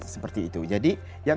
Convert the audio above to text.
seperti itu jadi